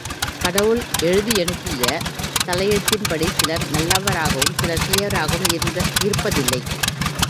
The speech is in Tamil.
கடவுள் எழுதியனுப்பிய தலையெழுத்தின்படி சிலர் நல்லவராயும் சிலர் தீயவராயும் இருப்பதில்லை.